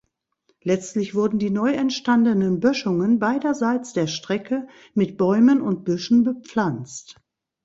Letztlich wurden die neu entstandenen Böschungen beiderseits der Strecke mit Bäumen und Büschen bepflanzt.